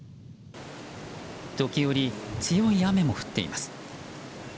時折、強い雨も降っています。